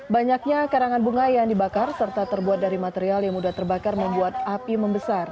banyaknya karangan bunga yang dibakar serta terbuat dari material yang mudah terbakar membuat api membesar